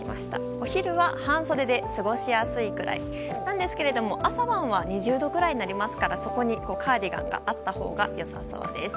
お昼は半袖で過ごしやすいくらいなんですけれども、朝晩は２０度ぐらいになりますから、そこにカーディガンがあったほうがよさそうです。